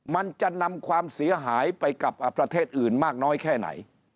มันจะนำความเสียหายไปกับประเทศอื่นมากน้อยแค่ไหน